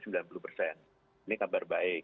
ini kabar baik